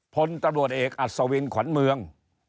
พลตำรวจเอกอัศวินขวัญเมือง